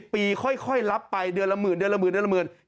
๒๐ปีค่อยรับไปเดือนละ๑๐๐๐๐เดือนละ๑๐๐๐๐